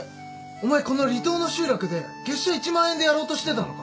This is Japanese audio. お前この離島の集落で月謝１万円でやろうとしてたのか？